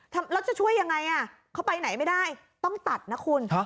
แล้วจะช่วยยังไงเขาไปไหนไม่ได้ต้องตัดนะคุณ